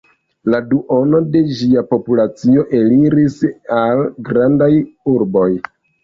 La duono de ĝia populacio eliris al grandaj urboj.